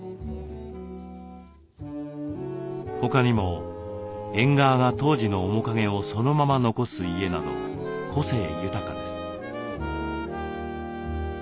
他にも縁側が当時の面影をそのまま残す家など個性豊かです。